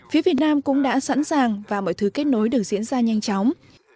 phía việt nam cũng đã sẵn sàng và mọi thứ kết nối được diễn ra nhanh chóng